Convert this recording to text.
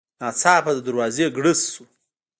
ناڅاپه د دروازې ګړز شو.